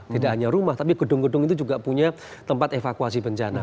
tidak hanya rumah tapi gedung gedung itu juga punya tempat evakuasi bencana